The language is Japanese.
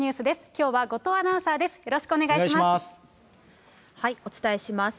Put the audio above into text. きょうは後藤アナウンサーです。